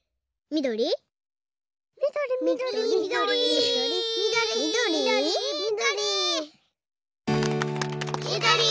みどり！